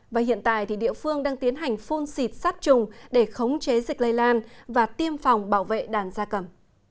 và hiện tại thì địa phương đang tiến hành phun xịt sát trùng để khống chế dịch lây lan và tiêm phòng bảo vệ đàn da cầm